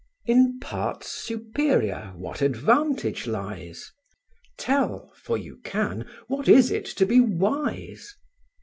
In parts superior what advantage lies? Tell (for you can) what is it to be wise?